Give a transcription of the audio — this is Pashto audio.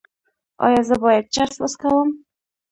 ایا زه باید چرس وڅکوم؟